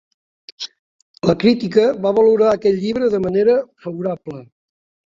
La crítica va valorar aquest llibre de manera favorable.